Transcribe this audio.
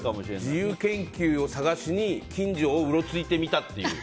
自由研究を探しに近所をうろついてみたっていう。